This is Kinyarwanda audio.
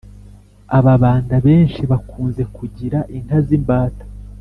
ababanda benshi bakunze kugira inka z'imbata